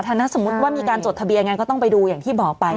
ฉะนั้นสมมุติว่ามีการจดทะเบียนอย่างไรก็ต้องไปดูอย่างที่บอกไป